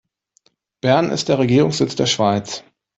Bern ist der Regierungssitz der Schweiz.